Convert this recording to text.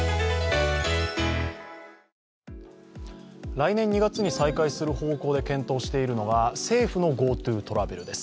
来年２月に再開する方向で検討しているのは政府のＧｏＴｏトラベルです。